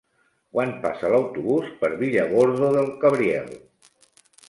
Quan passa l'autobús per Villargordo del Cabriel?